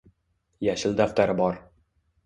Yashil daftari bor